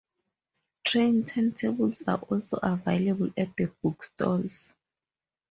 Train timetables are also available at the book stalls.